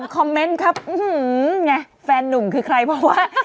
คอมเมนต์ครับไงแฟนนุ่มคือใครเพราะว่า